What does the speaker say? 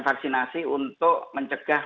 vaksinasi untuk mencegah